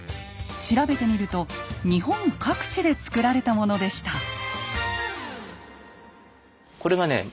調べてみると日本各地で作られたものでした。